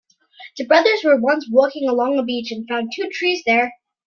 The brothers were once walking along a beach and found two trees there.